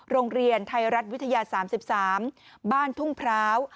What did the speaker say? โรงเรียนไทยรัฐวิทยา๓๓บ้านทุ่งพร้าว